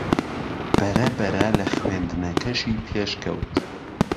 بەرەبەرە لە خوێندنەکەشی پێشکەوت